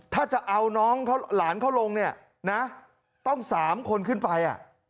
ถ้าจะเอาน้องเขาร้านเขาลงต้อง๓คนขึ้นไป